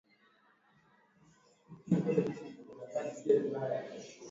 walikuwa wakisherekea siku hiyo wanaoita siku ya tarehe sita wanaiita siku sita